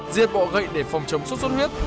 diệt bọ gậy để phòng chống sốt xuất huyết